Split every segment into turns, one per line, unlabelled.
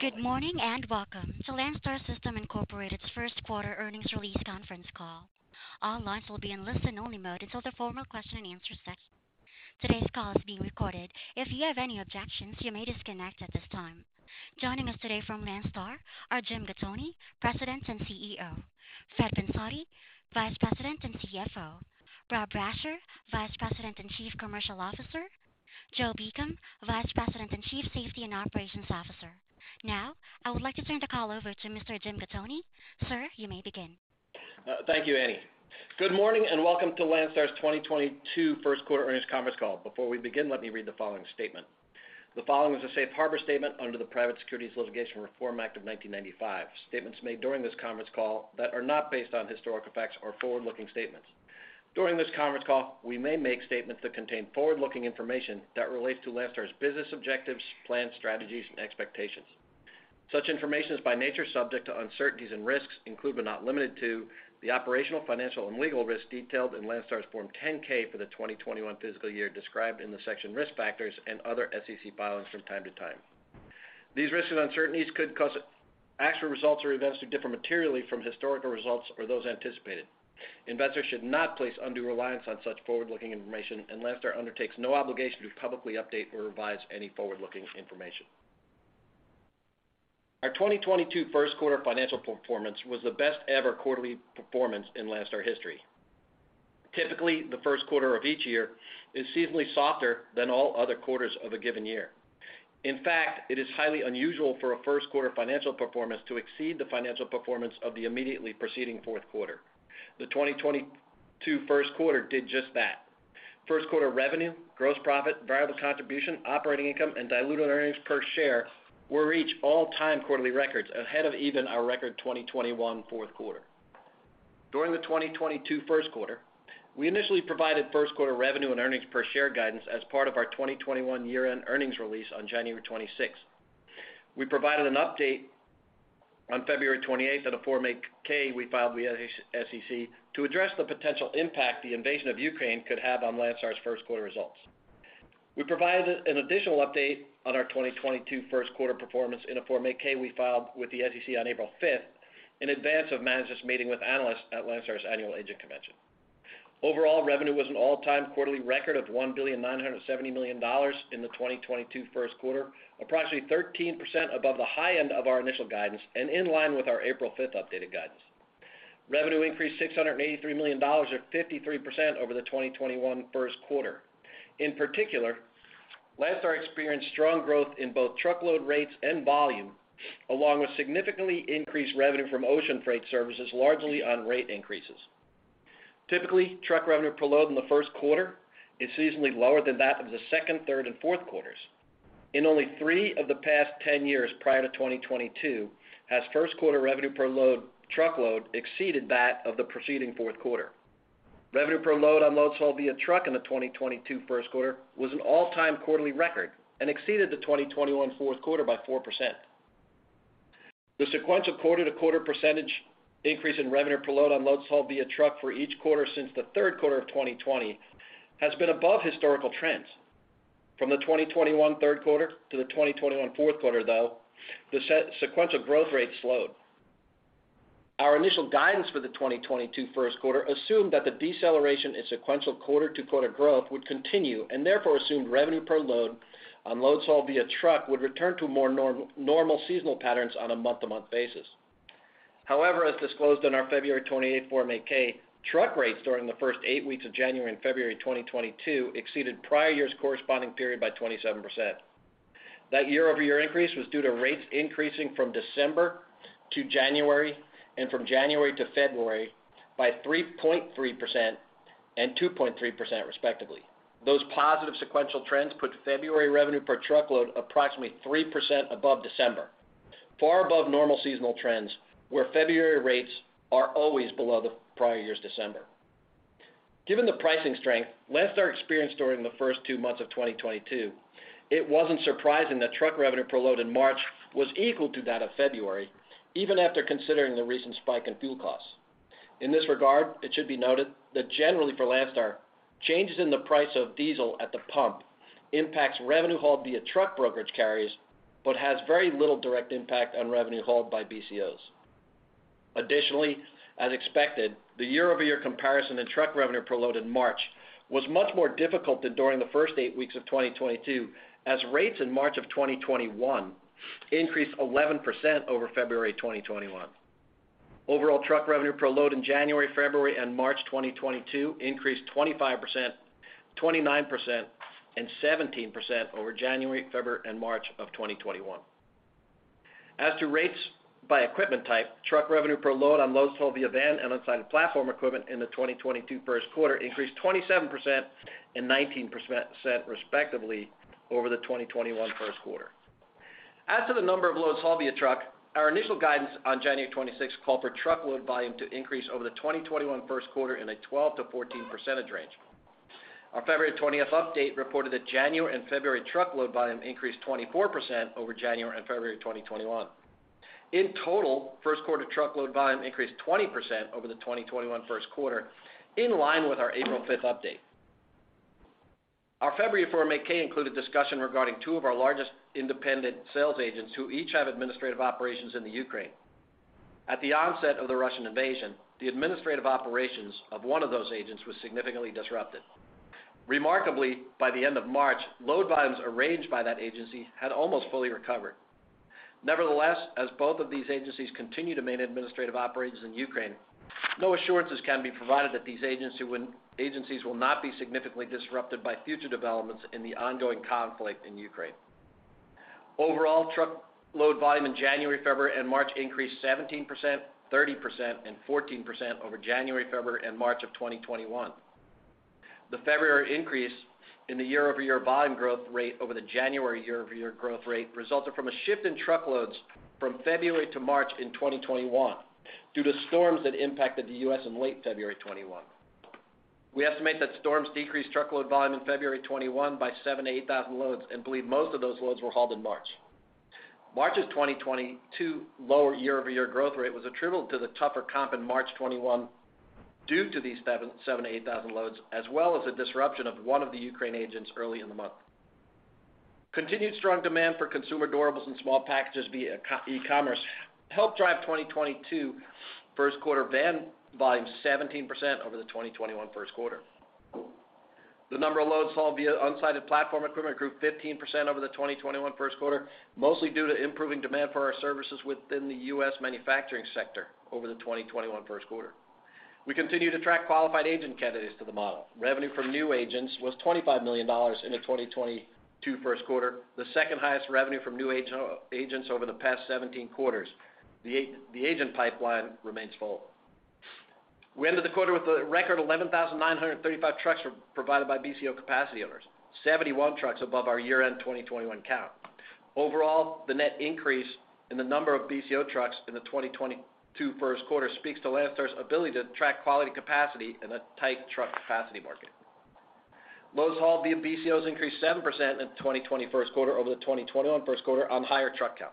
Good morning, and welcome to Landstar System Incorporated's first quarter earnings release conference call. All lines will be in listen-only mode until the formal question and answer session. Today's call is being recorded. If you have any objections, you may disconnect at this time. Joining us today from Landstar are Jim Gattoni, President and CEO; Fred Pensotti, Vice President and CFO; Rob Brasher, Vice President and Chief Commercial Officer; Joe Beacom, Vice President and Chief Safety and Operations Officer. Now, I would like to turn the call over to Mr. Jim Gattoni. Sir, you may begin.
Thank you, Annie. Good morning, and welcome to Landstar's 2022 first quarter earnings conference call. Before we begin, let me read the following statement. The following is a safe harbor statement under the Private Securities Litigation Reform Act of 1995. Statements made during this conference call that are not based on historical facts are forward-looking statements. During this conference call, we may make statements that contain forward-looking information that relates to Landstar's business objectives, plans, strategies, and expectations. Such information is by nature subject to uncertainties and risks, including but not limited to the operational, financial, and legal risks detailed in Landstar's Form 10-K for the 2021 fiscal year described in the section Risk Factors and other SEC filings from time to time. These risks and uncertainties could cause actual results or events to differ materially from historical results or those anticipated. Investors should not place undue reliance on such forward-looking information, and Landstar undertakes no obligation to publicly update or revise any forward-looking information. Our 2022 first quarter financial performance was the best ever quarterly performance in Landstar history. Typically, the first quarter of each year is seasonally softer than all other quarters of a given year. In fact, it is highly unusual for a first quarter financial performance to exceed the financial performance of the immediately preceding fourth quarter. The 2022 first quarter did just that. First quarter revenue, gross profit, variable contribution, operating income, and diluted earnings per share will reach all-time quarterly records ahead of even our record 2021 fourth quarter. During the 2022 first quarter, we initially provided first quarter revenue and earnings per share guidance as part of our 2021 year-end earnings release on January 26th. We provided an update on February 28th on a Form 8-K we filed via the SEC to address the potential impact the invasion of Ukraine could have on Landstar's first quarter results. We provided an additional update on our 2022 first quarter performance in a Form 8-K we filed with the SEC on April 5th in advance of management's meeting with analysts at Landstar's Annual Agent Convention. Overall revenue was an all-time quarterly record of $1.97 billion in the 2022 first quarter, approximately 13% above the high end of our initial guidance and in line with our April 5th updated guidance. Revenue increased $683 million or 53% over the 2021 first quarter. In particular, Landstar experienced strong growth in both truckload rates and volume, along with significantly increased revenue from ocean freight services, largely on rate increases. Typically, truck revenue per load in the first quarter is seasonally lower than that of the second, third, and fourth quarters. In only three of the past 10 years prior to 2022 has first quarter revenue per load, truckload exceeded that of the preceding fourth quarter. Revenue per load on loads hauled via truck in the 2022 first quarter was an all-time quarterly record and exceeded the 2021 fourth quarter by 4%. The sequential quarter-to-quarter percentage increase in revenue per load on loads hauled via truck for each quarter since the third quarter of 2020 has been above historical trends. From the 2021 third quarter to the 2021 fourth quarter, though, the sequential growth rate slowed. Our initial guidance for the 2022 first quarter assumed that the deceleration in sequential quarter-to-quarter growth would continue and therefore assumed revenue per load on loads hauled via truck would return to more normal seasonal patterns on a month-to-month basis. However, as disclosed on our February 28 Form 8-K, truck rates during the first eight weeks of January and February 2022 exceeded prior year's corresponding period by 27%. That year-over-year increase was due to rates increasing from December to January and from January to February by 3.3% and 2.3%, respectively. Those positive sequential trends put February revenue per truckload approximately 3% above December, far above normal seasonal trends, where February rates are always below the prior year's December. Given the pricing strength Landstar experienced during the first two months of 2022, it wasn't surprising that truck revenue per load in March was equal to that of February, even after considering the recent spike in fuel costs. In this regard, it should be noted that generally for Landstar, changes in the price of diesel at the pump impacts revenue hauled via truck brokerage carriers, but has very little direct impact on revenue hauled by BCOs. Additionally, as expected, the year-over-year comparison in truck revenue per load in March was much more difficult than during the first eight weeks of 2022, as rates in March of 2021 increased 11% over February 2021. Overall truck revenue per load in January, February, and March 2022 increased 25%, 29%, and 17% over January, February, and March of 2021. As to rates by equipment type, truck revenue per load on loads hauled via van and on signed platform equipment in the 2022 first quarter increased 27% and 19%, respectively, over the 2021 first quarter. As to the number of loads hauled via truck, our initial guidance on January 26th called for truckload volume to increase over the 2021 first quarter in a 12%-14% range. Our February 20 update reported that January and February truckload volume increased 24% over January and February 2021. In total, first quarter truckload volume increased 20% over the 2021 first quarter, in line with our April 5 update. Our February fourth update included discussion regarding two of our largest independent sales agents who each have administrative operations in the Ukraine. At the onset of the Russian invasion, the administrative operations of one of those agents was significantly disrupted. Remarkably, by the end of March, load volumes arranged by that agency had almost fully recovered. Nevertheless, as both of these agencies continue to maintain administrative operations in Ukraine, no assurances can be provided that these agencies will not be significantly disrupted by future developments in the ongoing conflict in Ukraine. Overall, truckload volume in January, February, and March increased 17%, 30%, and 14% over January, February and March of 2021. The February increase in the year-over-year volume growth rate over the January year-over-year growth rate resulted from a shift in truckloads from February to March in 2021 due to storms that impacted the U.S. in late February 2021. We estimate that storms decreased truckload volume in February 2021 by 7,000-8,000 loads, and believe most of those loads were hauled in March. March 2022's lower year-over-year growth rate was attributable to the tougher comp in March 2021 due to these 7,000-8,000 loads, as well as the disruption from the Ukraine invasion early in the month. Continued strong demand for consumer durables and small packages via e-commerce helped drive 2022 first quarter van volume 17% over the 2021 first quarter. The number of loads hauled via unassigned platform equipment grew 15% over the 2021 first quarter, mostly due to improving demand for our services within the U.S. manufacturing sector over the 2021 first quarter. We continue to track qualified agent candidates to the model. Revenue from new agents was $25 million in the 2022 first quarter, the second-highest revenue from new agents over the past 17 quarters. The agent pipeline remains full. We ended the quarter with the record 11,935 trucks provided by BCO capacity owners, 71 trucks above our year-end 2021 count. Overall, the net increase in the number of BCO trucks in the 2022 first quarter speaks to Landstar's ability to attract quality capacity in a tight truck capacity market. Loads hauled via BCOs increased 7% in the 2022 first quarter over the 2021 first quarter on higher truck count.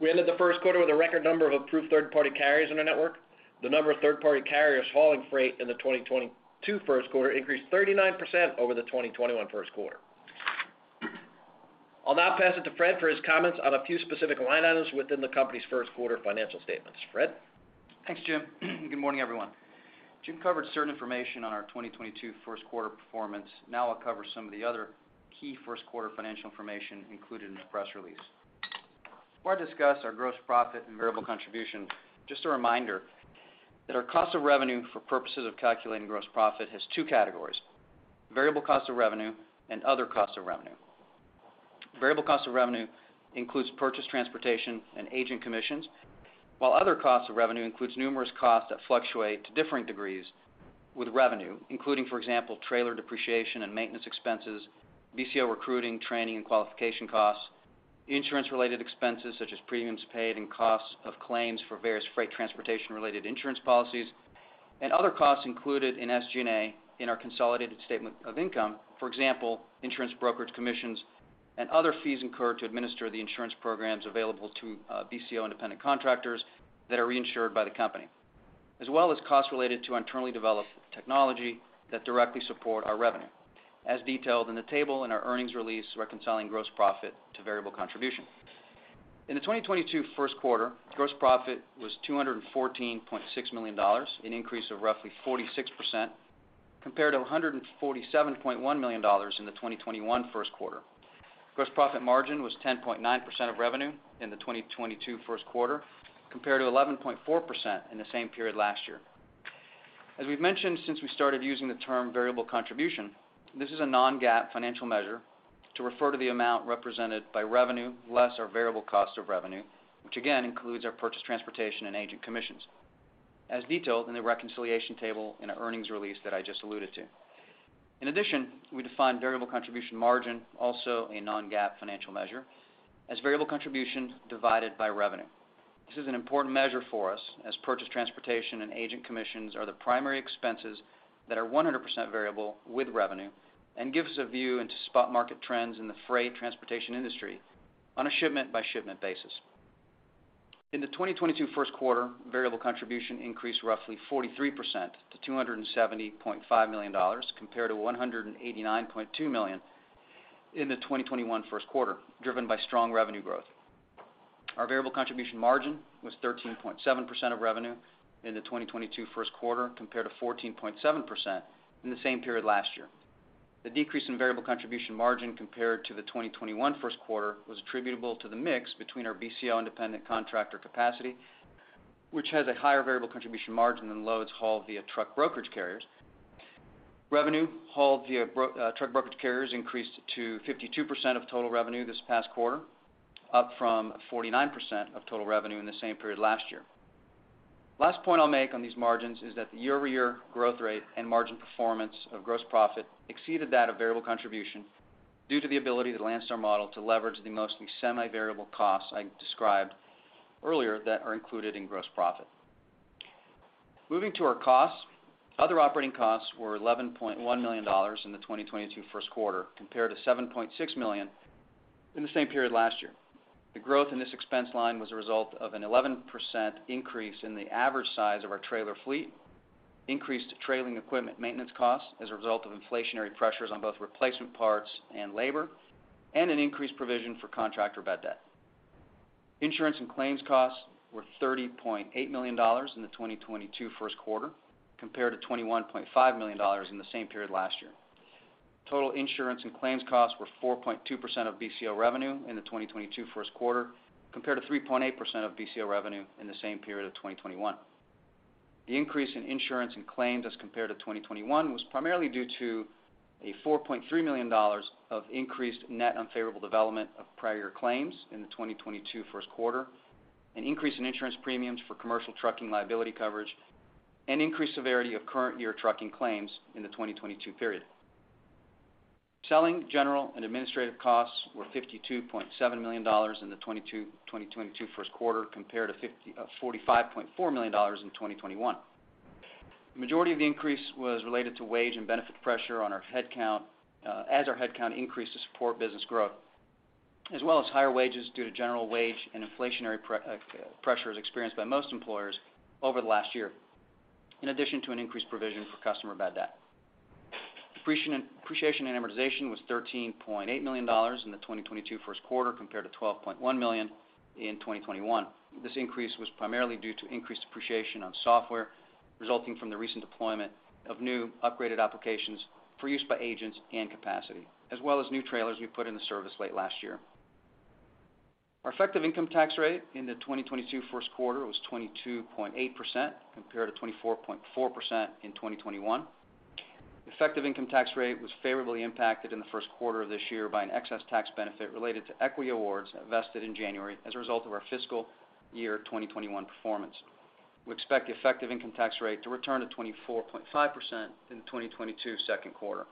We ended the first quarter with a record number of approved third-party carriers in our network. The number of third-party carriers hauling freight in the 2022 first quarter increased 39% over the 2021 first quarter. I'll now pass it to Fred for his comments on a few specific line items within the company's first quarter financial statements. Fred?
Thanks, Jim. Good morning, everyone. Jim covered certain information on our 2022 first quarter performance. Now I'll cover some of the other key first quarter financial information included in the press release. Before I discuss our gross profit and variable contribution, just a reminder that our cost of revenue for purposes of calculating gross profit has two categories, variable cost of revenue and other cost of revenue. Variable cost of revenue includes purchase, transportation, and agent commissions, while other costs of revenue includes numerous costs that fluctuate to differing degrees with revenue including, for example, trailer depreciation and maintenance expenses, BCO recruiting, training, and qualification costs, insurance-related expenses such as premiums paid and costs of claims for various freight transportation-related insurance policies, and other costs included in SG&A in our consolidated statement of income, for example, insurance brokerage commissions and other fees incurred to administer the insurance programs available to BCO independent contractors that are reinsured by the company, as well as costs related to internally developed technology that directly support our revenue, as detailed in the table in our earnings release reconciling gross profit to variable contribution. In the 2022 first quarter, gross profit was $214.6 million, an increase of roughly 46% compared to $147.1 million in the 2021 first quarter. Gross profit margin was 10.9% of revenue in the 2022 first quarter, compared to 11.4% in the same period last year. As we've mentioned since we started using the term variable contribution, this is a non-GAAP financial measure to refer to the amount represented by revenue less our variable cost of revenue, which again includes our purchase, transportation, and agent commissions, as detailed in the reconciliation table in our earnings release that I just alluded to. In addition, we define variable contribution margin, also a non-GAAP financial measure, as variable contribution divided by revenue. This is an important measure for us as purchased transportation and agent commissions are the primary expenses that are 100% variable with revenue and gives us a view into spot market trends in the freight transportation industry on a shipment-by-shipment basis. In the 2022 first quarter, variable contribution increased roughly 43% to $270.5 million, compared to $189.2 million in the 2021 first quarter, driven by strong revenue growth. Our variable contribution margin was 13.7% of revenue in the 2022 first quarter, compared to 14.7% in the same period last year. The decrease in variable contribution margin compared to the 2021 first quarter was attributable to the mix between our BCO independent contractor capacity, which has a higher variable contribution margin than loads hauled via truck brokerage carriers. Revenue hauled via truck brokerage carriers increased to 52% of total revenue this past quarter, up from 49% of total revenue in the same period last year. Last point I'll make on these margins is that the year-over-year growth rate and margin performance of gross profit exceeded that of variable contribution due to the ability of the Landstar model to leverage the mostly semi-variable costs I described earlier that are included in gross profit. Moving to our costs, other operating costs were $11.1 million in the 2022 first quarter, compared to $7.6 million in the same period last year. The growth in this expense line was a result of an 11% increase in the average size of our trailer fleet, increased trailing equipment maintenance costs as a result of inflationary pressures on both replacement parts and labor, and an increased provision for contractor bad debt. Insurance and claims costs were $30.8 million in the 2022 first quarter, compared to $21.5 million in the same period last year. Total insurance and claims costs were 4.2% of BCO revenue in the 2022 first quarter, compared to 3.8% of BCO revenue in the same period of 2021. The increase in insurance and claims as compared to 2021 was primarily due to a $4.3 million of increased net unfavorable development of prior claims in the 2022 first quarter, an increase in insurance premiums for commercial trucking liability coverage, and increased severity of current year trucking claims in the 2022 period. Selling general and administrative costs were $52.7 million in the 2022 first quarter compared to $45.4 million in 2021. The majority of the increase was related to wage and benefit pressure on our headcount, as our headcount increased to support business growth, as well as higher wages due to general wage and inflationary pressures experienced by most employers over the last year, in addition to an increased provision for customer bad debt. Depreciation and amortization was $13.8 million in the 2022 first quarter, compared to $12.1 million in 2021. This increase was primarily due to increased depreciation on software resulting from the recent deployment of new upgraded applications for use by agents and capacity, as well as new trailers we put into service late last year. Our effective income tax rate in the 2022 first quarter was 22.8% compared to 24.4% in 2021. Effective income tax rate was favorably impacted in the first quarter of this year by an excess tax benefit related to equity awards vested in January as a result of our fiscal year 2021 performance. We expect the effective income tax rate to return to 24.5% in the 2022 second quarter.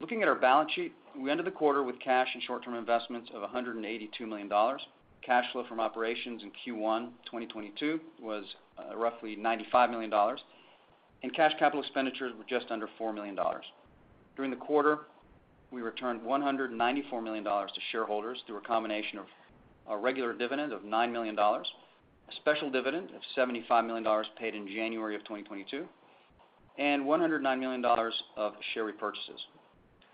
Looking at our balance sheet, we ended the quarter with cash and short-term investments of $182 million. Cash flow from operations in Q1 2022 was roughly $95 million, and cash capital expenditures were just under $4 million. During the quarter, we returned $194 million to shareholders through a combination of a regular dividend of $9 million, a special dividend of $75 million paid in January 2022, and $109 million of share repurchases.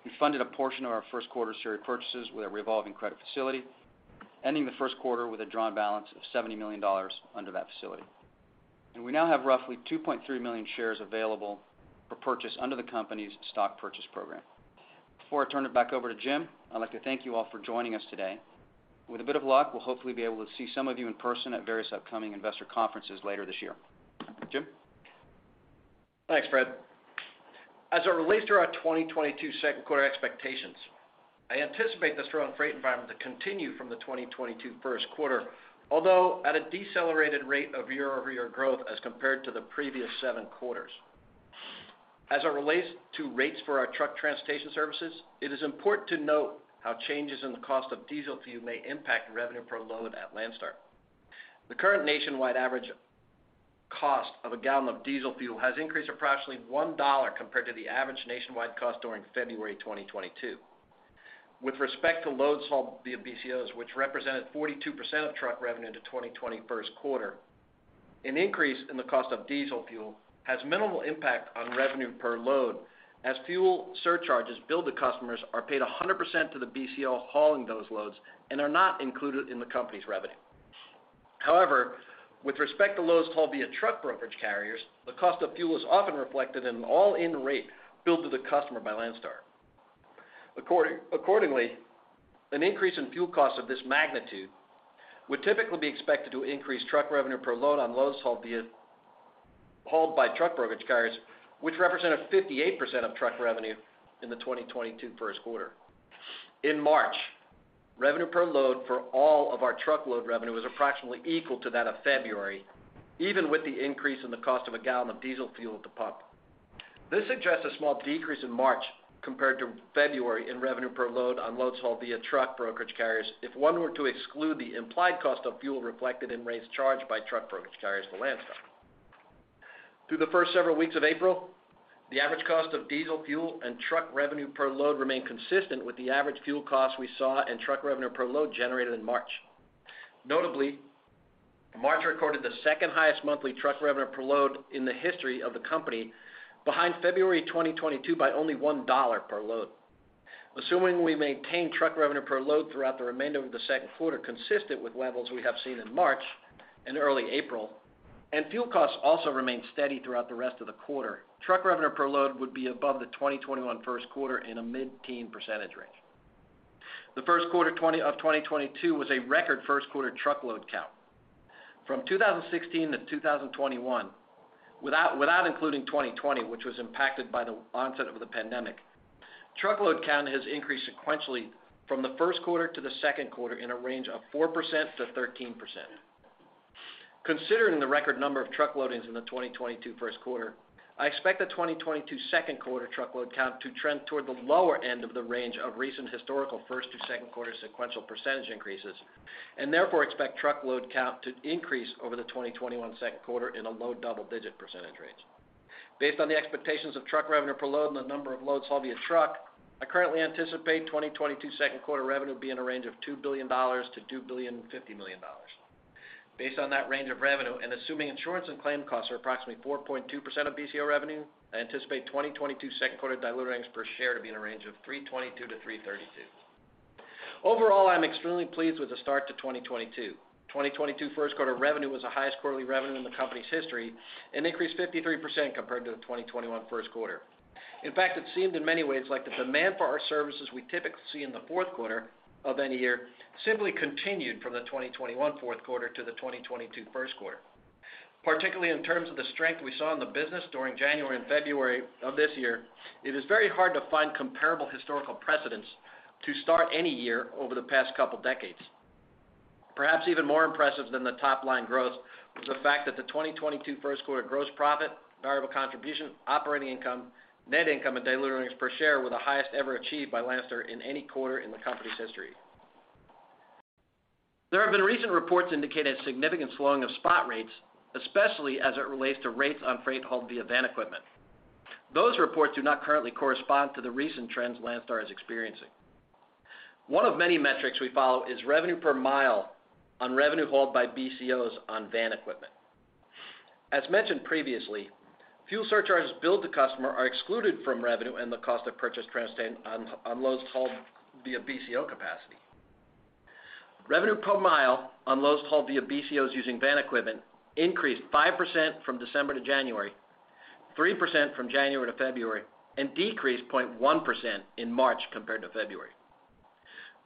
We funded a portion of our first quarter share repurchases with a revolving credit facility, ending the first quarter with a drawn balance of $70 million under that facility. We now have roughly 2.3 million shares available for purchase under the company's stock purchase program. Before I turn it back over to Jim, I'd like to thank you all for joining us today. With a bit of luck, we'll hopefully be able to see some of you in person at various upcoming investor conferences later this year. Jim?
Thanks, Fred. As it relates to our 2022 second quarter expectations, I anticipate the strong freight environment to continue from the 2022 first quarter, although at a decelerated rate of year-over-year growth as compared to the previous 7 quarters. As it relates to rates for our truck transportation services, it is important to note how changes in the cost of diesel fuel may impact revenue per load at Landstar. The current nationwide average cost of a gallon of diesel fuel has increased approximately $1 compared to the average nationwide cost during February 2022. With respect to loads hauled via BCOs, which represented 42% of truck revenue in the 2021 first quarter, an increase in the cost of diesel fuel has minimal impact on revenue per load, as fuel surcharges billed to customers are paid 100% to the BCO hauling those loads and are not included in the company's revenue. However, with respect to loads hauled via truck brokerage carriers, the cost of fuel is often reflected in an all-in rate billed to the customer by Landstar. Accordingly, an increase in fuel costs of this magnitude would typically be expected to increase truck revenue per load on loads hauled via truck brokerage carriers, which represented 58% of truck revenue in the 2022 first quarter. In March, revenue per load for all of our truckload revenue was approximately equal to that of February, even with the increase in the cost of a gallon of diesel fuel at the pump. This suggests a small decrease in March compared to February in revenue per load on loads hauled via truck brokerage carriers if one were to exclude the implied cost of fuel reflected in rates charged by truck brokerage carriers to Landstar. Through the first several weeks of April, the average cost of diesel fuel and truck revenue per load remained consistent with the average fuel costs we saw in truck revenue per load generated in March. Notably, March recorded the second highest monthly truck revenue per load in the history of the company behind February 2022 by only $1 per load. Assuming we maintain truck revenue per load throughout the remainder of the second quarter consistent with levels we have seen in March and early April, and fuel costs also remain steady throughout the rest of the quarter, truck revenue per load would be above the 2021 first quarter in a mid-teen % range. The first quarter of 2022 was a record first quarter truckload count. From 2016 to 2021, without including 2020, which was impacted by the onset of the pandemic, truckload count has increased sequentially from the first quarter to the second quarter in a range of 4%-13%. Considering the record number of truck loadings in the 2022 first quarter, I expect the 2022 second quarter truckload count to trend toward the lower end of the range of recent historical first to second quarter sequential percentage increases, and therefore, expect truckload count to increase over the 2021 second quarter in a low double-digit percentage range. Based on the expectations of truck revenue per load and the number of loads hauled via truck, I currently anticipate 2022 second quarter revenue be in a range of $2 billion-$2.05 billion. Based on that range of revenue and assuming insurance and claim costs are approximately 4.2% of BCO revenue, I anticipate 2022 second quarter diluted earnings per share to be in a range of $3.22-$3.32. Overall, I'm extremely pleased with the start to 2022. 2022 first quarter revenue was the highest quarterly revenue in the company's history and increased 53% compared to the 2021 first quarter. In fact, it seemed in many ways like the demand for our services we typically see in the fourth quarter of any year simply continued from the 2021 fourth quarter to the 2022 first quarter. Particularly in terms of the strength we saw in the business during January and February of this year, it is very hard to find comparable historical precedents to start any year over the past couple decades. Perhaps even more impressive than the top line growth was the fact that the 2022 first quarter gross profit, variable contribution, operating income, net income, and diluted earnings per share were the highest ever achieved by Landstar in any quarter in the company's history. There have been recent reports indicating significant slowing of spot rates, especially as it relates to rates on freight hauled via van equipment. Those reports do not currently correspond to the recent trends Landstar is experiencing. One of many metrics we follow is revenue per mile on revenue hauled by BCOs on van equipment. As mentioned previously, fuel surcharges billed to customer are excluded from revenue and the cost of purchased transportation on loads hauled via BCO capacity. Revenue per mile on loads hauled via BCOs using van equipment increased 5% from December to January, 3% from January to February, and decreased 0.1% in March compared to February.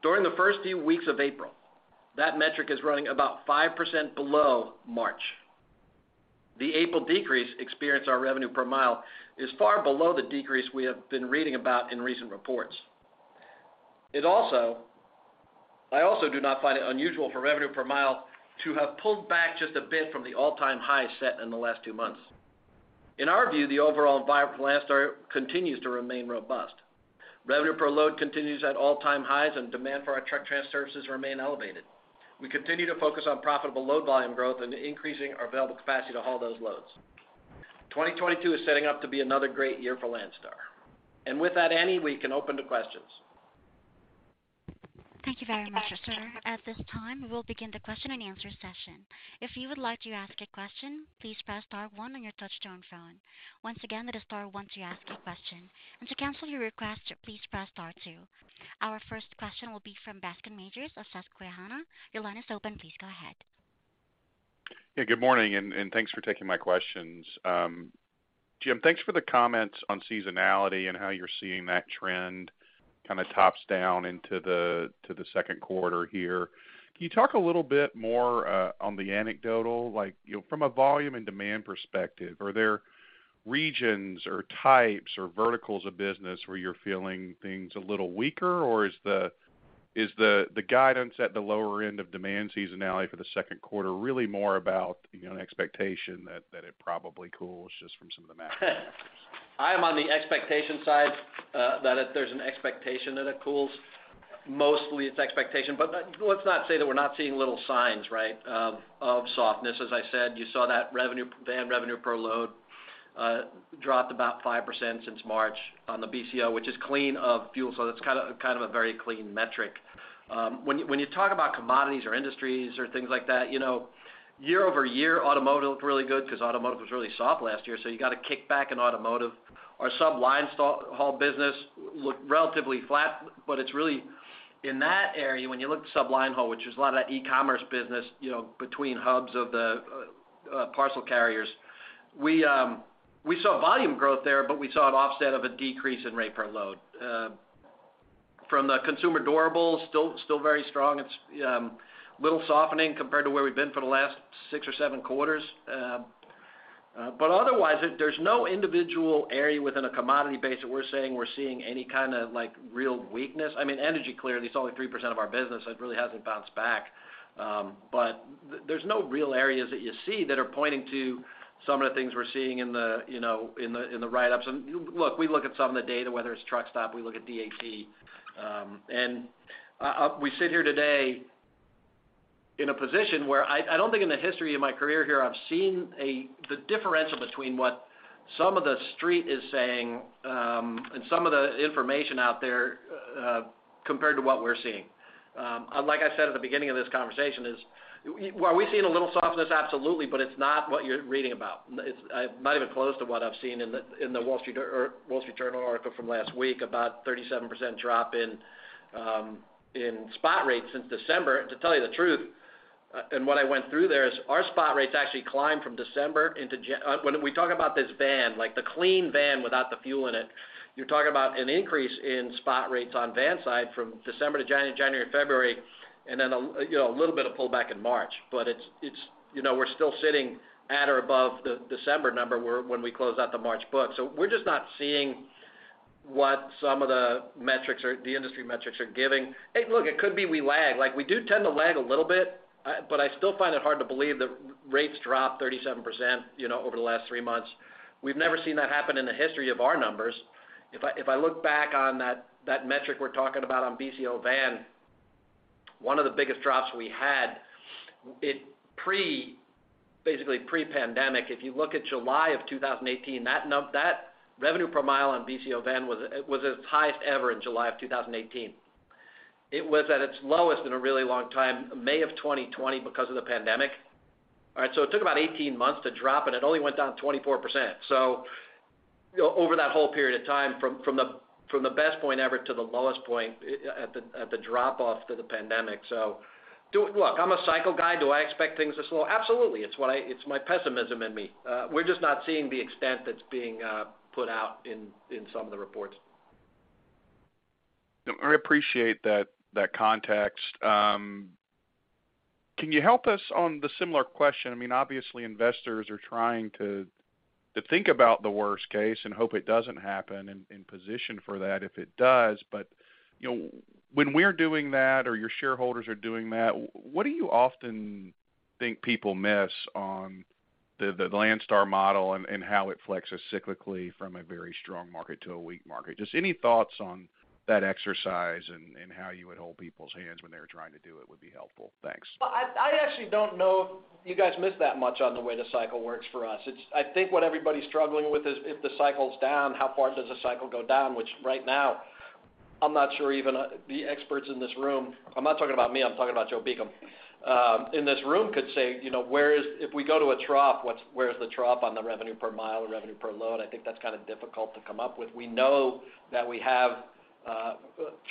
During the first few weeks of April, that metric is running about 5% below March. The April decrease experienced on revenue per mile is far below the decrease we have been reading about in recent reports. I also do not find it unusual for revenue per mile to have pulled back just a bit from the all-time high set in the last two months. In our view, the overall environment for Landstar continues to remain robust. Revenue per load continues at all-time highs and demand for our truck transport services remain elevated. We continue to focus on profitable load volume growth and increasing our available capacity to haul those loads. 2022 is setting up to be another great year for Landstar. With that, Annie, we can open to questions.
Thank you very much, sir. At this time, we will begin the question and answer session. Our first question will be from Bascome Majors of Susquehanna. Your line is open. Please go ahead.
Good morning, and thanks for taking my questions. Jim, thanks for the comments on seasonality and how you're seeing that trend kind of top down into the second quarter here. Can you talk a little bit more on the anecdotal, like, you know, from a volume and demand perspective, are there regions or types or verticals of business where you're feeling things a little weaker? Or is the guidance at the lower end of demand seasonality for the second quarter really more about, you know, an expectation that it probably cools just from some of the macro pictures?
I am on the expectation side that there's an expectation that it cools. Mostly it's expectation, but let's not say that we're not seeing little signs, right, of softness. As I said, you saw that revenue, van revenue per load, dropped about 5% since March on the BCO, which is clean of fuel. So that's kind of a very clean metric. When you talk about commodities or industries or things like that, you know, year-over-year, automotive looked really good because automotive was really soft last year, so you got a kickback in automotive. Our subline-haul business looked relatively flat, but it's really in that area, when you look at subline haul, which is a lot of that e-commerce business, you know, between hubs of the parcel carriers, we saw volume growth there, but we saw an offset of a decrease in rate per load. From the consumer durables, still very strong. It's little softening compared to where we've been for the last six or seven quarters. But otherwise, there's no individual area within a commodity base that we're saying we're seeing any kind of like real weakness. I mean, energy clearly, it's only 3% of our business, it really hasn't bounced back. But there's no real areas that you see that are pointing to some of the things we're seeing in the, you know, in the write-ups. Look, we look at some of the data, whether it's Truckstop, we look at DAT. We sit here today in a position where I don't think in the history of my career here, I've seen the differential between what some of the Street is saying and some of the information out there compared to what we're seeing. Like I said at the beginning of this conversation, are we seeing a little softness? Absolutely. It's not what you're reading about. It's not even close to what I've seen in the Wall Street Journal article from last week, about 37% drop in spot rates since December. To tell you the truth, what I went through there is our spot rates actually climbed from December into Jan... When we talk about this van, like the clean van without the fuel in it, you're talking about an increase in spot rates on van side from December to January to February, and then a, you know, a little bit of pullback in March. It's, you know, we're still sitting at or above the December number where when we closed out the March book. We're just not seeing what some of the metrics are, the industry metrics are giving. Hey, look, it could be we lag. Like, we do tend to lag a little bit, but I still find it hard to believe that rates dropped 37%, you know, over the last three months. We've never seen that happen in the history of our numbers. If I look back on that metric we're talking about on BCO van. One of the biggest drops we had, it basically pre-pandemic, if you look at July of 2018, that revenue per mile on BCO van was its highest ever in July of 2018. It was at its lowest in a really long time, May of 2020 because of the pandemic. All right, so it took about 18 months to drop, and it only went down 24%. So over that whole period of time, from the best point ever to the lowest point at the drop off to the pandemic. So look, I'm a cycle guy. Do I expect things to slow? Absolutely. It's my pessimism in me. We're just not seeing the extent that's being put out in some of the reports.
I appreciate that context. Can you help us on the similar question? I mean, obviously investors are trying to think about the worst case and hope it doesn't happen and position for that if it does. You know, when we're doing that or your shareholders are doing that, what do you often think people miss on the Landstar model and how it flexes cyclically from a very strong market to a weak market? Just any thoughts on that exercise and how you would hold people's hands when they're trying to do it would be helpful. Thanks.
Well, I actually don't know if you guys miss that much on the way the cycle works for us. It's. I think what everybody's struggling with is if the cycle's down, how far does the cycle go down? Which right now, I'm not sure even the experts in this room, I'm not talking about me, I'm talking about Joe Beacom, in this room could say, you know, if we go to a trough, where's the trough on the revenue per mile or revenue per load? I think that's kind of difficult to come up with. We know that we have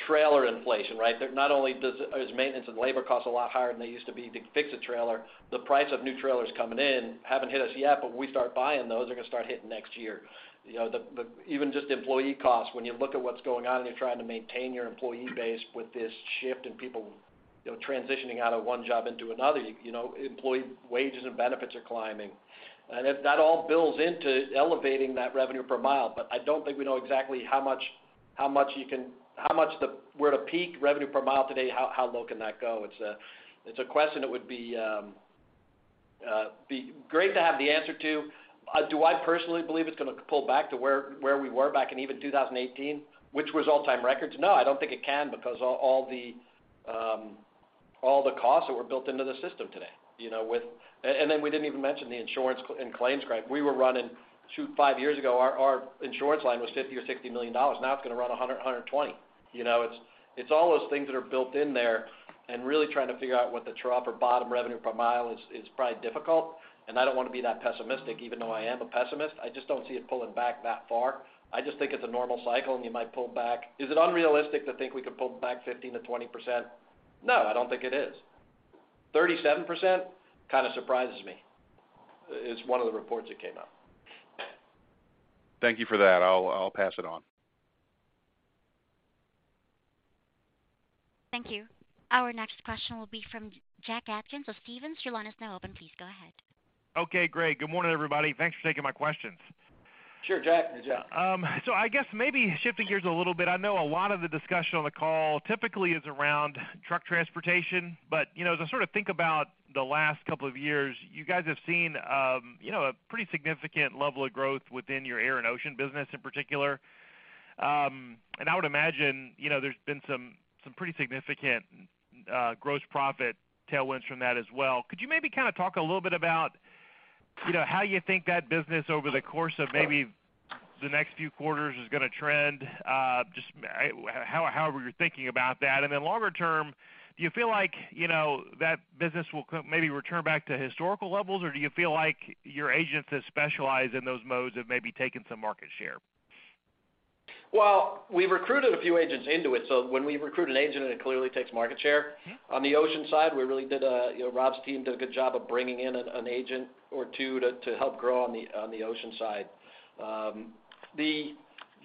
trailer inflation, right? Not only is maintenance and labor costs a lot higher than they used to be to fix a trailer, the price of new trailers coming in haven't hit us yet, but when we start buying those, they're going to start hitting next year. You know, even just employee costs, when you look at what's going on, and you're trying to maintain your employee base with this shift in people, you know, transitioning out of one job into another, you know, employee wages and benefits are climbing. If that all builds into elevating that revenue per mile. I don't think we know exactly how much the peak revenue per mile today, how low can that go? It's a question that would be great to have the answer to. Do I personally believe it's going to pull back to where we were back in even 2018, which was all-time records? No, I don't think it can because all the costs that were built into the system today, you know, and then we didn't even mention the insurance and claims. We were running, shoot, five years ago, our insurance line was $50 million or $60 million. Now it's going to run $120 million. You know, it's all those things that are built in there and really trying to figure out what the trough or bottom revenue per mile is probably difficult. I don't want to be that pessimistic, even though I am a pessimist. I just don't see it pulling back that far. I just think it's a normal cycle, and you might pull back. Is it unrealistic to think we could pull back 15%-20%? No, I don't think it is. 37% kind of surprises me, is one of the reports that came out.
Thank you for that. I'll pass it on.
Thank you. Our next question will be from Jack Atkins of Stephens. Your line is now open. Please go ahead.
Okay, great. Good morning, everybody. Thanks for taking my questions.
Sure, Jack. Good job.
I guess maybe shifting gears a little bit. I know a lot of the discussion on the call typically is around truck transportation, but you know, as I sort of think about the last couple of years, you guys have seen you know, a pretty significant level of growth within your air and ocean business in particular. I would imagine you know, there's been some pretty significant gross profit tailwinds from that as well. Could you maybe kind of talk a little bit about you know, how you think that business over the course of maybe the next few quarters is going to trend? Just how, however you're thinking about that. Longer term, do you feel like, you know, that business will maybe return back to historical levels, or do you feel like your agents that specialize in those modes have maybe taken some market share?
Well, we recruited a few agents into it, so when we recruit an agent, and it clearly takes market share. On the ocean side, we really, you know, Rob's team did a good job of bringing in an agent or two to help grow on the ocean side.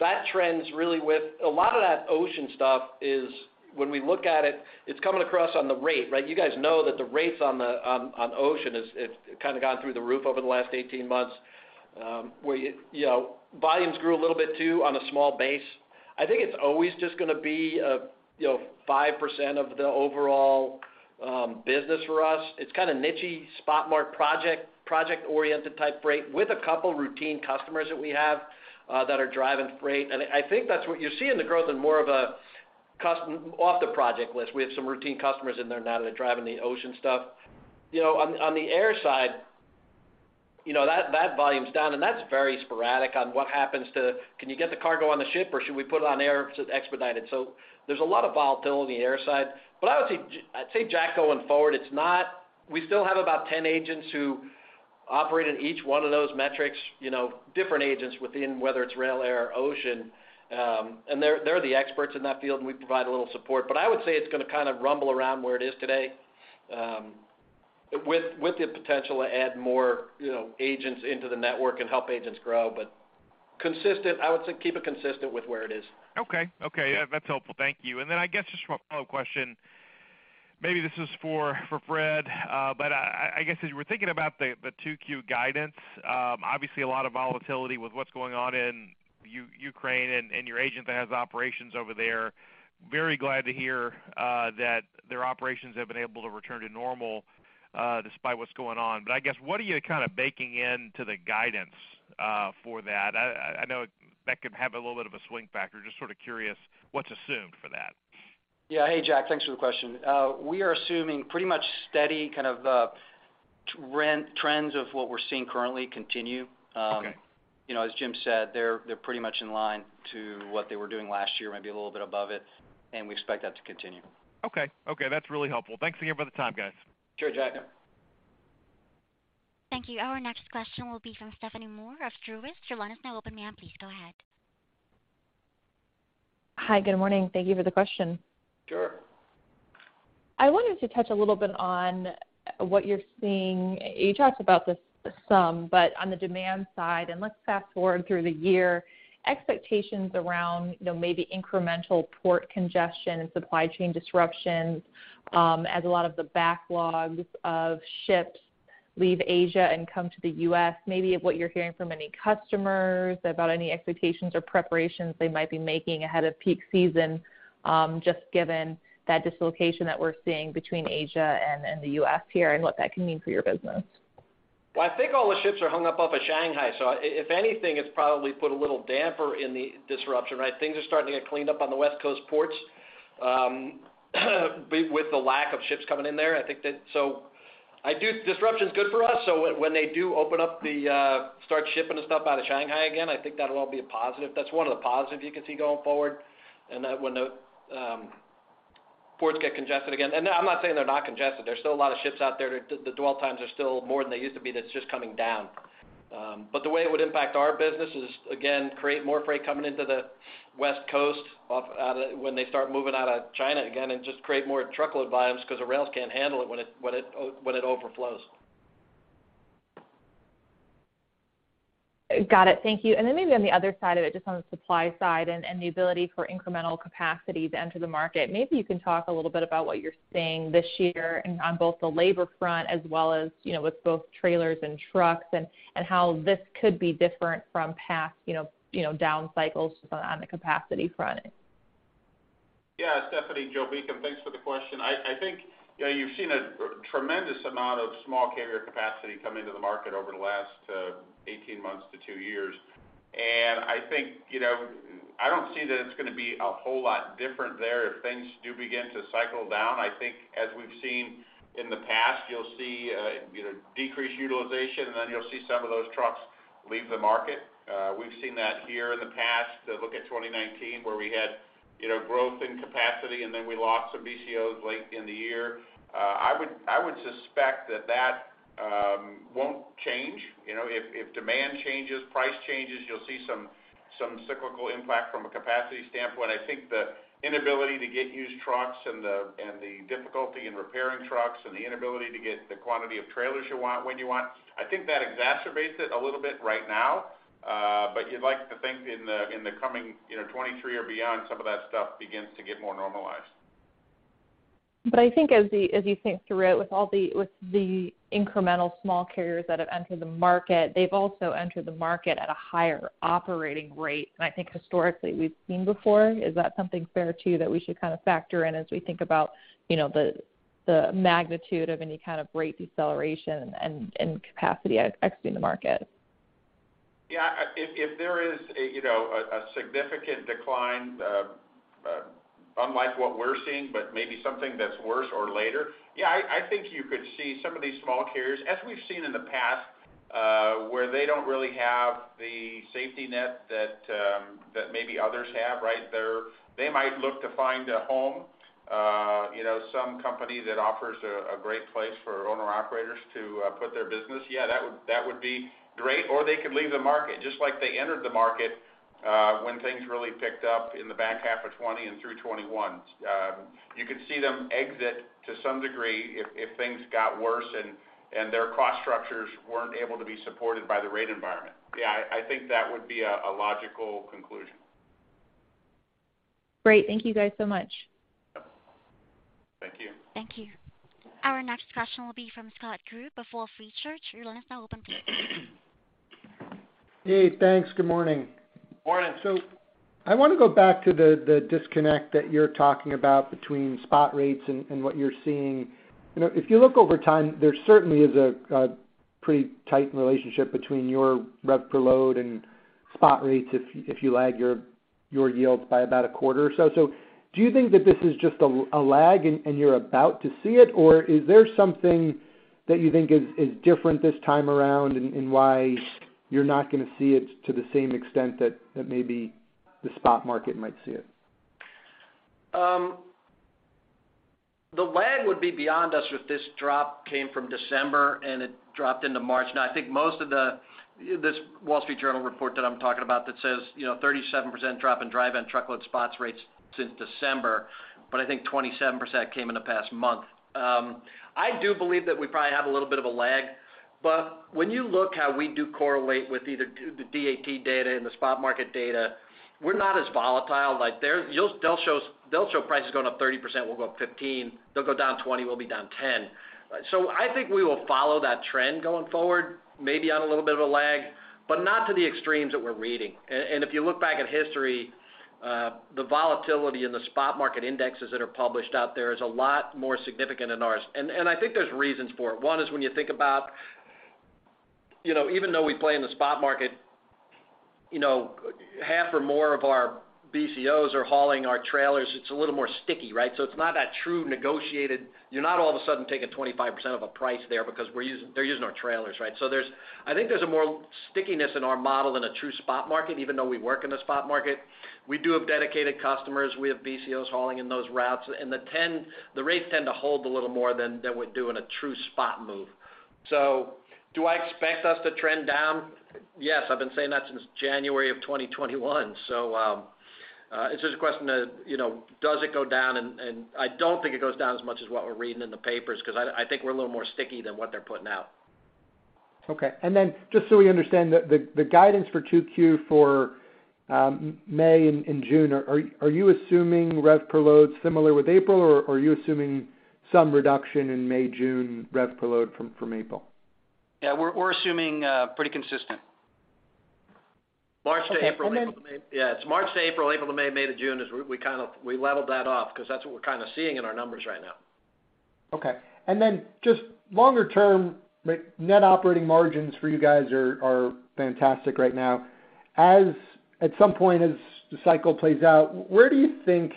That trend really with a lot of that ocean stuff is when we look at it's coming across on the rate, right? You guys know that the rates on the ocean has kind of gone through the roof over the last 18 months. We, you know, volumes grew a little bit too on a small base. I think it's always just gonna be, you know, 5% of the overall business for us. It's kind of niche-y, spot market project-oriented type freight with a couple routine customers that we have that are driving freight. I think that's what you see in the growth and more of a customer off the project list. We have some routine customers in there now that are driving the ocean stuff. You know, on the air side, you know, that volume's down, and that's very sporadic on what happens, can you get the cargo on the ship, or should we put it on air to expedite it? There's a lot of volatility on the air side. I would say, Jack, going forward, we still have about 10 agents who operate in each one of those metrics, you know, different agents within whether it's rail, air, or ocean. They're the experts in that field, and we provide a little support. I would say it's gonna kind of rumble around where it is today, with the potential to add more, you know, agents into the network and help agents grow. Consistent, I would say, keep it consistent with where it is.
Okay. Yeah, that's helpful. Thank you. I guess just a follow-up question. Maybe this is for Fred. I guess as you were thinking about the 2Q guidance, obviously a lot of volatility with what's going on in Ukraine and your agent that has operations over there. Very glad to hear that their operations have been able to return to normal despite what's going on. I guess what are you kind of baking into the guidance for that? I know that could have a little bit of a swing factor. Just sort of curious what's assumed for that.
Yeah. Hey, Jack. Thanks for the question. We are assuming pretty much steady kind of,
Current trends of what we're seeing currently continue.
Okay.
You know, as Jim said, they're pretty much in line with what they were doing last year, maybe a little bit above it, and we expect that to continue.
Okay. Okay, that's really helpful. Thanks again for the time, guys.
Sure, Jack.
Thank you. Our next question will be from Stephanie Moore of Truist. Your line is now open, ma'am. Please go ahead.
Hi. Good morning. Thank you for the question.
Sure.
I wanted to touch a little bit on what you're seeing. You talked about this some, but on the demand side, and let's fast-forward through the year, expectations around, you know, maybe incremental port congestion and supply chain disruptions, as a lot of the backlogs of ships leave Asia and come to the U.S. Maybe of what you're hearing from any customers about any expectations or preparations they might be making ahead of peak season, just given that dislocation that we're seeing between Asia and the U.S. here and what that can mean for your business.
Well, I think all the ships are hung up off of Shanghai. If anything, it's probably put a little damper in the disruption, right? Things are starting to get cleaned up on the West Coast ports with the lack of ships coming in there. I think disruption is good for us, so when they do open up, start shipping the stuff out of Shanghai again, I think that'll all be a positive. That's one of the positives you can see going forward, that when the ports get congested again. No, I'm not saying they're not congested. There's still a lot of ships out there. The dwell times are still more than they used to be, that's just coming down. The way it would impact our business is, again, create more freight coming into the West Coast when they start moving out of China again and just create more truckload volumes because the rails can't handle it when it overflows.
Got it. Thank you. Then maybe on the other side of it, just on the supply side and the ability for incremental capacity to enter the market. Maybe you can talk a little bit about what you're seeing this year and on both the labor front as well as, you know, with both trailers and trucks and how this could be different from past, you know, down cycles on the capacity front.
Yeah. Stephanie, Joe Beacom. Thanks for the question. I think, you know, you've seen a tremendous amount of small carrier capacity come into the market over the last 18 months to 2 years. I think, you know, I don't see that it's gonna be a whole lot different there if things do begin to cycle down. I think as we've seen in the past, you'll see, you know, decreased utilization, and then you'll see some of those trucks leave the market. We've seen that here in the past. Look at 2019, where we had, you know, growth in capacity, and then we lost some BCOs late in the year. I would suspect that that won't change. You know, if demand changes, price changes, you'll see some cyclical impact from a capacity standpoint. I think the inability to get used trucks and the difficulty in repairing trucks and the inability to get the quantity of trailers you want when you want. I think that exacerbates it a little bit right now. You'd like to think in the coming, you know, 2023 or beyond, some of that stuff begins to get more normalized.
I think as you think through it, with the incremental small carriers that have entered the market, they've also entered the market at a higher operating rate than I think historically we've seen before. Is that something fair too, that we should kind of factor in as we think about, you know, the magnitude of any kind of rate deceleration and capacity exiting the market?
Yeah. If there is, you know, a significant decline unlike what we're seeing, but maybe something that's worse or later, yeah, I think you could see some of these small carriers, as we've seen in the past, where they don't really have the safety net that that maybe others have, right? They might look to find a home, you know, some company that offers a great place for owner-operators to put their business. Yeah, that would be great. They could leave the market just like they entered the market when things really picked up in the back half of 2020 and through 2021. You could see them exit to some degree if things got worse and their cost structures weren't able to be supported by the rate environment. Yeah, I think that would be a logical conclusion.
Great. Thank you guys so much.
Thank you.
Thank you. Our next question will be from Scott Group of Wolfe Research. Your line is now open, sir.
Hey, thanks. Good morning.
Morning.
I wanna go back to the disconnect that you're talking about between spot rates and what you're seeing. You know, if you look over time, there certainly is a pretty tight relationship between your rev per load and spot rates if you lag your yields by about a quarter or so. Do you think that this is just a lag and you're about to see it? Or is there something that you think is different this time around and why you're not gonna see it to the same extent that maybe the spot market might see it?
The lag would be beyond us if this drop came from December and it dropped into March. Now, I think most of the. This Wall Street Journal report that I'm talking about that says, you know, 37% drop in dry van truckload spot rates since December, but I think 27% came in the past month. I do believe that we probably have a little bit of a lag, but when you look how we do correlate with either the DAT data and the spot market data, we're not as volatile. Like, they'll show prices going up 30%, we'll go up 15%. They'll go down 20%, we'll be down 10%. I think we will follow that trend going forward, maybe on a little bit of a lag, but not to the extremes that we're reading.
If you look back at history, the volatility in the spot market indexes that are published out there is a lot more significant than ours. I think there's reasons for it. One is when you think about
You know, even though we play in the spot market, you know, half or more of our BCOs are hauling our trailers. It's a little more sticky, right? You're not all of a sudden taking 25% of a price there because they're using our trailers, right? I think there's a more stickiness in our model than a true spot market, even though we work in the spot market. We do have dedicated customers. We have BCOs hauling in those routes, and the rates tend to hold a little more than we do in a true spot move. Do I expect us to trend down? Yes, I've been saying that since January 2021. It's just a question of, you know, does it go down? I don't think it goes down as much as what we're reading in the papers 'cause I think we're a little more sticky than what they're putting out.
Okay. Just so we understand, the guidance for 2Q for May and June, are you assuming rev per load similar with April, or are you assuming some reduction in May, June rev per load from April?
Yeah, we're assuming pretty consistent. March to April.
Okay.
Yeah. It's March to April to May to June is we kind of leveled that off 'cause that's what we're kind of seeing in our numbers right now.
Okay. Then just longer term, like net operating margins for you guys are fantastic right now. At some point, as the cycle plays out, where do you think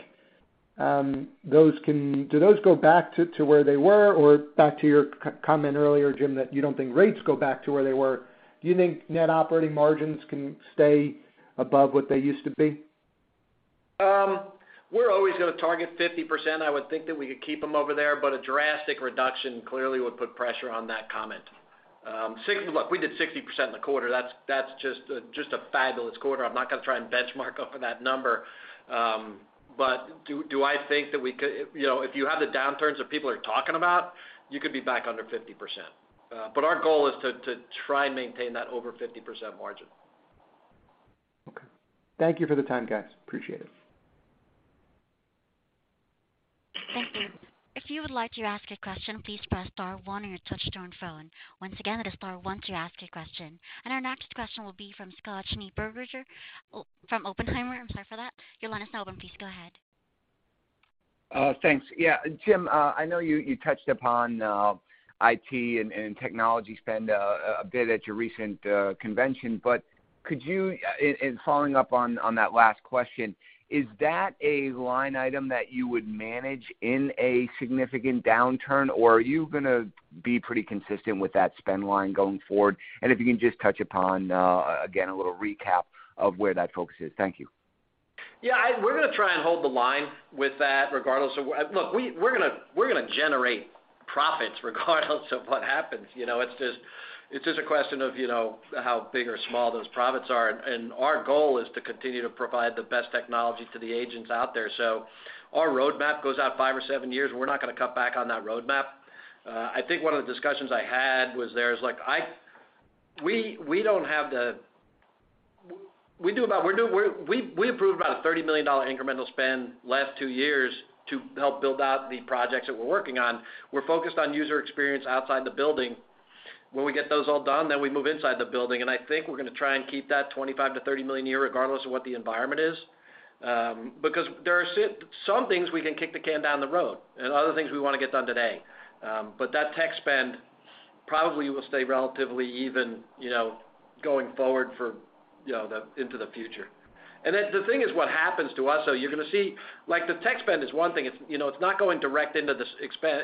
those can. Do those go back to where they were or back to your comment earlier, Jim, that you don't think rates go back to where they were? Do you think net operating margins can stay above what they used to be?
We're always gonna target 50%. I would think that we could keep them over there, but a drastic reduction clearly would put pressure on that comment. Look, we did 60% in the quarter. That's just a fabulous quarter. I'm not gonna try and benchmark off of that number. Do I think that we could? You know, if you have the downturns that people are talking about, you could be back under 50%. Our goal is to try and maintain that over 50% margin.
Okay. Thank you for the time, guys. Appreciate it.
Thank you. If you would like to ask a question, please press star one on your touchtone phone. Once again, it is star one to ask a question. Our next question will be from Scott Schneeberger from Oppenheimer. I'm sorry for that. Your line is now open. Please go ahead.
Thanks. Yeah. Jim, I know you touched upon IT and technology spend a bit at your recent convention, but could you and following up on that last question, is that a line item that you would manage in a significant downturn, or are you gonna be pretty consistent with that spend line going forward? If you can just touch upon again a little recap of where that focus is. Thank you.
We're gonna try and hold the line with that regardless of what happens. Look, we're gonna generate profits regardless of what happens. You know, it's just a question of, you know, how big or small those profits are. Our goal is to continue to provide the best technology to the agents out there. Our roadmap goes out five or seven years. We're not gonna cut back on that roadmap. I think one of the discussions I had was we approved about a $30 million incremental spend last two years to help build out the projects that we're working on. We're focused on user experience outside the building. When we get those all done, then we move inside the building. I think we're gonna try and keep that $25 million-$30 million a year regardless of what the environment is. Because there are some things we can kick the can down the road and other things we wanna get done today. But that tech spend probably will stay relatively even, you know, going forward for, you know, the, into the future. Then the thing is what happens to us, so you're gonna see. Like, the tech spend is one thing. It's, you know, it's not going direct into this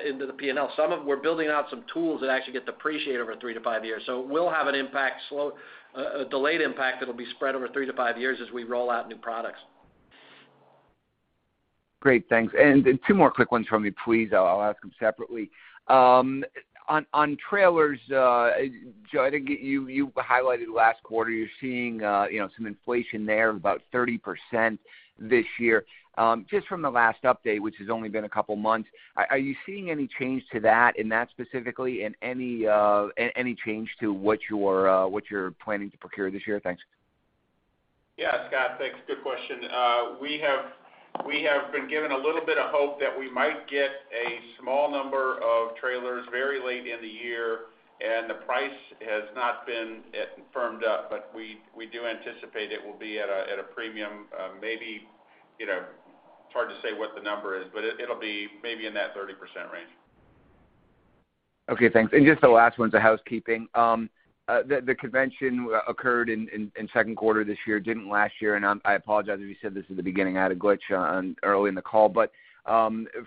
into the P&L. Some of what we're building out some tools that actually get depreciated over 3-5 years. We'll have a delayed impact that'll be spread over 3-5 years as we roll out new products.
Great. Thanks. Two more quick ones from me, please. I'll ask them separately. On trailers, Joe, I think you highlighted last quarter you're seeing you know some inflation there of about 30% this year. Just from the last update, which has only been a couple of months, are you seeing any change to that in that specifically and any change to what you're planning to procure this year? Thanks.
Yeah, Scott. Thanks. Good question. We have been given a little bit of hope that we might get a small number of trailers very late in the year, and the price has not been firmed up, but we do anticipate it will be at a premium, maybe, you know, it's hard to say what the number is, but it'll be maybe in that 30% range.
Okay, thanks. Just the last one's a housekeeping. The convention occurred in second quarter this year, didn't last year. I apologize if you said this at the beginning. I had a glitch early in the call.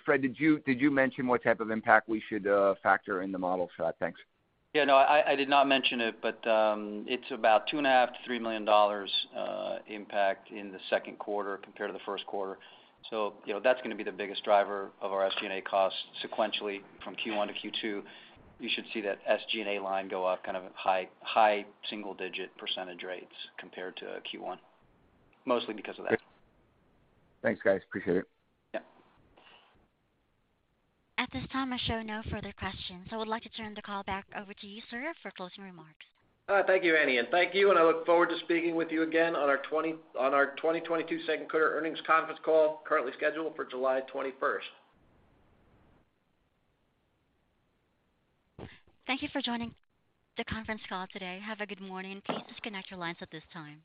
Fred, did you mention what type of impact we should factor in the model for that? Thanks.
Yeah, no, I did not mention it, but it's about $2.5-$3 million impact in the second quarter compared to the first quarter. You know, that's gonna be the biggest driver of our SG&A costs sequentially from Q1 to Q2. You should see that SG&A line go up kind of high single digit percentage rates compared to Q1, mostly because of that.
Thanks, guys. Appreciate it.
Yeah.
At this time, I show no further questions. I would like to turn the call back over to you, sir, for closing remarks.
All right. Thank you, Annie. Thank you, and I look forward to speaking with you again on our 2022 second quarter earnings conference call, currently scheduled for July 21.
Thank you for joining the conference call today. Have a good morning. Please disconnect your lines at this time.